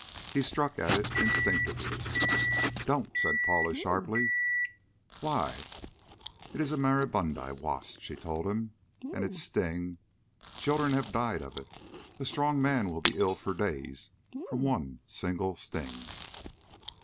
He struck at it instinctively. "Don't!" said Paula sharply. "Why?" "It's a maribundi wasp," she told him "And its sting.... Children have died of it. A strong man will be ill for days from one single sting."